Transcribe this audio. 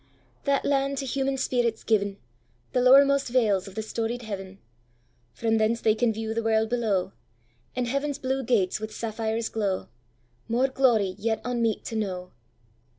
That land to human spirits given, The lowermost vales of the storied heaven; From thence they can view the world below, And heaven's blue gates with sapphires glow, More glory yet unmeet to know.